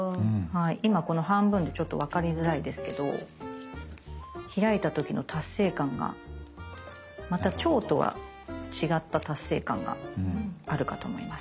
今この半分でちょっと分かりづらいですけど開いた時の達成感がまた蝶とは違った達成感があるかと思います。